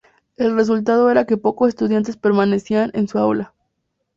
El resultado era que pocos estudiantes permanecían en su aula.